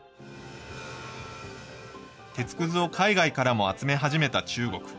鉄くずを海外からも集め始めた中国。